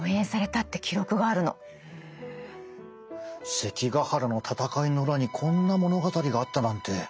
関ヶ原の戦いの裏にこんな物語があったなんて。